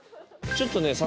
ちょっとね